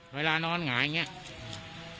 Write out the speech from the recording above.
เวลานอนหงายอย่างนี้